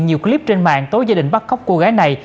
nhiều clip trên mạng tối gia đình bắt cóc cô gái này